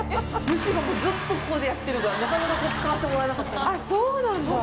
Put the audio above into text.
主がずっとここでやってるからなかなかここ使わせてもらえなかったんですよ。